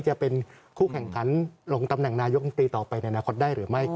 จะเป็นคู่แข่งขันลงตำแหน่งนายกรรมตรีต่อไปในอนาคตได้หรือไม่